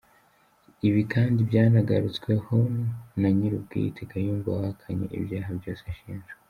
Ibi kandi byanagarutsweho na nyir’ubwite, Kayumba wahakanye ibyaha byose ashinjwa.